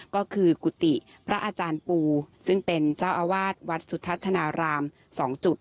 ก็คือกุฏิพระอาจารย์ปูซึ่งเป็นเจ้าอาวาสวัดสุทัศนาราม๒จุด